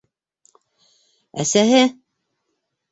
Әсәһе?!